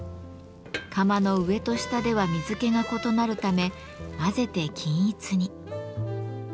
釜の上と下では水けが異なるため混ぜて均一に。